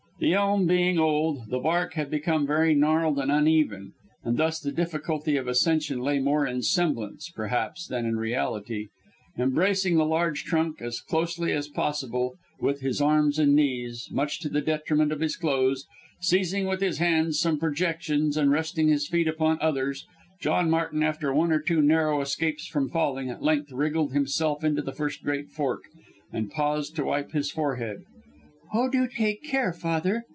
The elm being old, the bark had become very gnarled and uneven, and thus the difficulty of ascension lay more in semblance, perhaps, than in reality. Embracing the huge trunk, as closely as possible, with his arms and knees, much to the detriment of his clothes, seizing with his hands some projections, and resting his feet upon others, John Martin, after one or two narrow escapes from falling, at length wriggled himself into the first great fork, and paused to wipe his forehead. "Oh, do take care, Father!"